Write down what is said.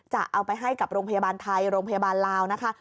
จะเอาไปให้กับโรงพยาบาลไทยโรงพยาบาลลาวนะคะ